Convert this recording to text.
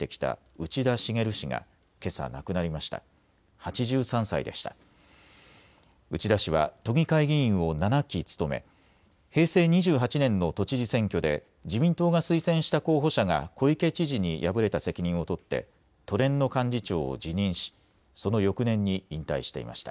内田氏は都議会議員を７期務め平成２８年の都知事選挙で自民党が推薦した候補者が小池知事に敗れた責任を取って都連の幹事長を辞任しその翌年に引退していました。